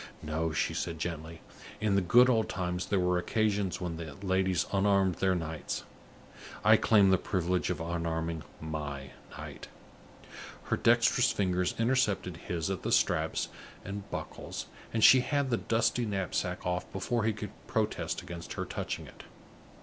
"No," she said, gently; "in the good old times there were occasions when the ladies unarmed their knights. I claim the privilege of unarming my knight." Her dexterous fingers intercepted his at the straps and buckles, and she had the dusty knapsack off, before he could protest against her touching it.